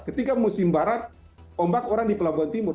ketika musim barat ombak orang di pelabuhan timur